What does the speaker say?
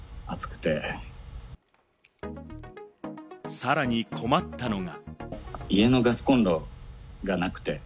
さらに困ったのが。